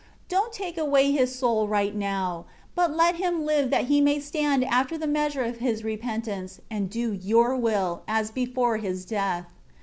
7 Don't take away his soul right now; but let him live that he may stand after the measure of his repentance, and do Your will, as before his death.